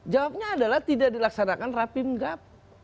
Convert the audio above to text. jawabnya adalah tidak dilaksanakan rapim gap